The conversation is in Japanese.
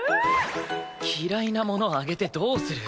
嫌いなものあげてどうする。